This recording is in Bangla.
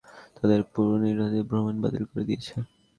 এরই মধ্যে কয়েক হাজার বিদেশি তাদের পূর্বনির্ধারিত ভ্রমণ বাতিল করে দিয়েছে।